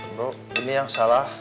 bro ini yang salah